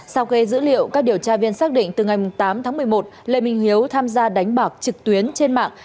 sau khi dữ liệu các điều tra viên xác định từ ngày tám tháng một mươi một lê minh hiếu tham gia đánh bạc trực tuyến trên mạng